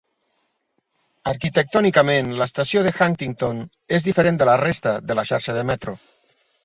Arquitectònicament, l'estació de Huntington és diferent de la resta de la xarxa de metro.